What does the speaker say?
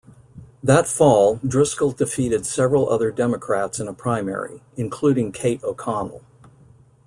That fall, Driscoll defeated several other Democrats in a primary, including Kate O'Connell.